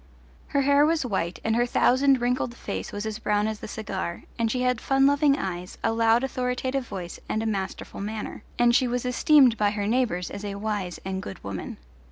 Her hair was white, and her thousand wrinkled face was as brown as the cigar, and she had fun loving eyes, a loud authoritative voice and a masterful manner, and she was esteemed by her neighbours as a wise and good woman.